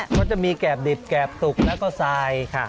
เขาจะมีแกบดิบแกบสุกแล้วก็ทรายค่ะ